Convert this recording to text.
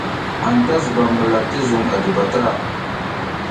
Anta zuɓam mulak ti zuƞ a diba ta.